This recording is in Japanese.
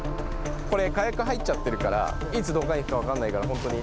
これ、火薬入っちゃってるから、いつどかんといくか分かんないんで、本当に。